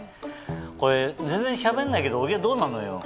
これ全然しゃべんないけど小木はどうなのよ？